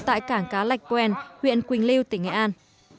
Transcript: tại cảng cá lạch quen huyện quỳnh lưu tỉnh nghệ an